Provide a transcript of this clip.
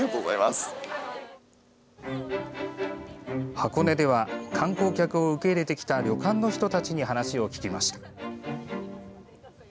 箱根では、観光客を受け入れてきた旅館の人たちに話を聞きました。